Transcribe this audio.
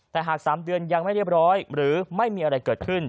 แต่หาก๓เดือนยังไม่เรียบร้อยหรือไม่มีอะไรเกิดขึ้น